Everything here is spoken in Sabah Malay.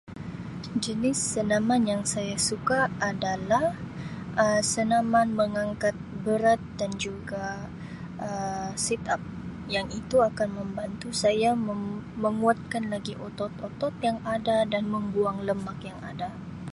"Jenis senaman yang saya suka adalah Um senaman mengangkat berat dan juga Um ""sit up"" yang itu akan membantu saya meng-menguatkan lagi otot-otot yang ada dan membuang lemak yang ada."